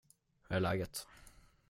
Hur är läget?